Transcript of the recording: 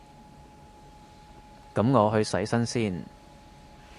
噉我去洗身先